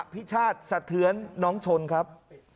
๐๙๕๖๑๙๒๕๑๗อภิชาติสะเทือนน้องชนครับ